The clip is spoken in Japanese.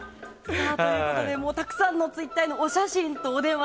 たくさんのツイッターへのお写真とお電話